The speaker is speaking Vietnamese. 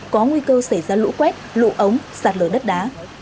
có nguy cơ xảy ra lũ quét lũ ống sạt lở đất đá